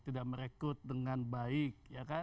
tidak merekrut dengan baik